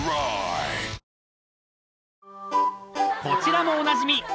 ［こちらもおなじみ